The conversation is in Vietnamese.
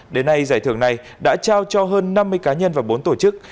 đến nay giải thưởng này đã trao cho hơn năm mươi cá nhân và bốn tổ chức